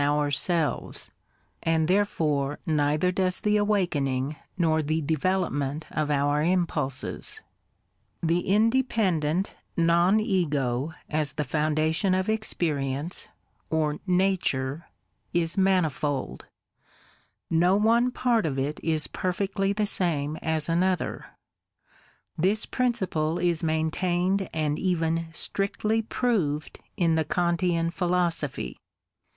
39 ourselves, and therefore neither does the awakening nor the development of our impulses. The independent Non Eyo as the foundation of experi ence, or Nature — is manifold; no one part of it is perfectly the same as another; — this principle is maintained and even strictly proved in the Kantean philosophy.